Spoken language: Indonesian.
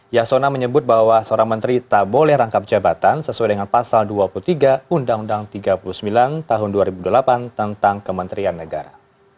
yasona menyebut bahwa seorang menteri tak boleh rangkap jabatan sesuai dengan pasal dua puluh tiga undang undang tiga puluh sembilan tahun dua ribu delapan tentang kementerian negara